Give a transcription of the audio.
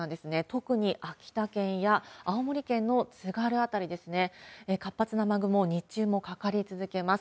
特に秋田県や青森県の津軽辺りですね、活発な雨雲、日中もかかり続けます。